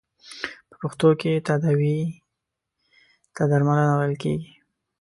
په پښتو کې تداوې ته درملنه ویل کیږی.